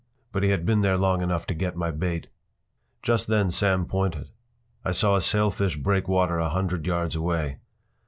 But he had been there long enough to get my bait. Just then Sam pointed. I saw a sailfish break water a hundred yards away.